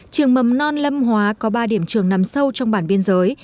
trường mầm non lâm hóa có ba điểm trường nằm sâu trong bản biên giới